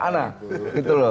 nah gitu loh